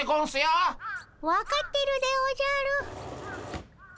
分かってるでおじゃる。